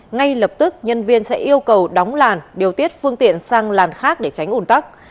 ngay lập tức nhân viên sẽ yêu cầu đóng làn điều tiết phương tiện sang làn khác để tránh ủn tắc